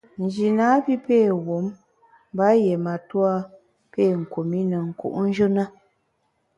Nji napi pé wum mba yié matua pé kum i ne nku’njù na.